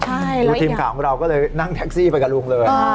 คือทีมข่าวของเราก็เลยนั่งแท็กซี่ไปกับลุงเลย